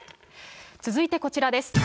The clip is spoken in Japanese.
続いてこちらです。